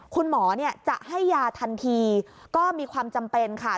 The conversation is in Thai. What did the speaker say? คุณหมอจะให้ยาทันทีก็มีความจำเป็นค่ะ